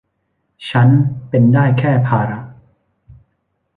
ฉันเป็นได้แค่ภาระ